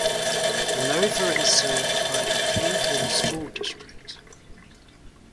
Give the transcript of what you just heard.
Renova is served by the Cleveland School District.